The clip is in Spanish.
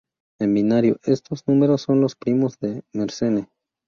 En binario, estos números son los primos de Mersenne.